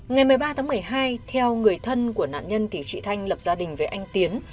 ngày một mươi ba tháng một mươi hai theo người thân của nạn nhân thì chị thanh lập gia đình với anh tiến